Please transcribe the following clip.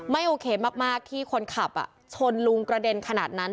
โอเคมากที่คนขับชนลุงกระเด็นขนาดนั้น